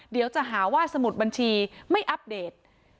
เดี๋ยวจะหาว่าสมุดบัญชีไม่อัปเดต